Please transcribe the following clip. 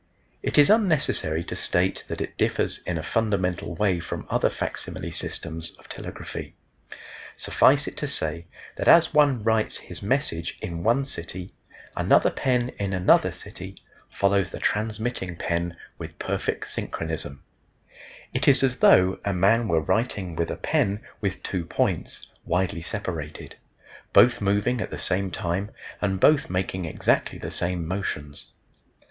It is unnecessary to state that it differs in a fundamental way from other facsimile systems of telegraphy. Suffice it to say that as one writes his message in one city another pen in another city follows the transmitting pen with perfect synchronism; it is as though a man were writing with a pen with two points widely separated, both moving at the same time and both making exactly the same motions.